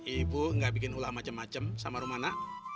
ibu gak bikin ulah macem macem sama rumana